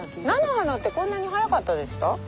菜の花ってこんなに早かったでした？